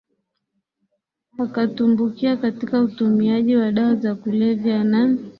Akatumbukia katika utumiaji wa dawa za kulevya na